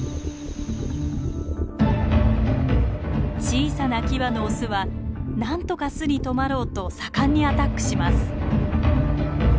小さなキバのオスはなんとか巣に止まろうと盛んにアタックします。